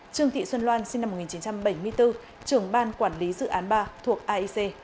trương thị xuân loan sinh năm một nghìn chín trăm bảy mươi bốn trưởng ban quản lý dự án ba thuộc aic